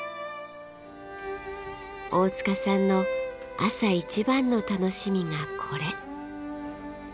大塚さんの朝一番の楽しみがこれ。